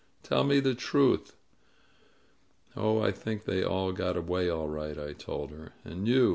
Tell me the truth!" ^^Oh, I think they all got away all right," I told her. "And you!